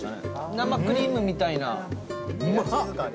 生クリームみたいな。